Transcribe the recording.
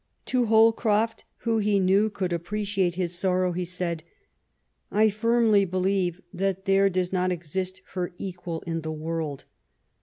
'' To Holcroft, who, he knew, could appreciate his sorrow, he said, I firmly believe that there does not exist her equal in the world.